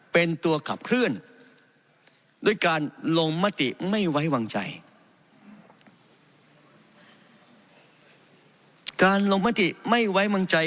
เป็นตัวกลับเคลื่อนด้วยการลงมติไม่ไว้วางใจ